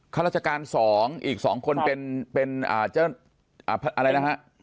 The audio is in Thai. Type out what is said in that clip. ข้าราชการ๒อีก๒คนเป็นอะไรนะครับ